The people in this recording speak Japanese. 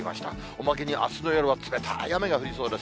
おまけにあすの夜は冷たい雨が降りそうです。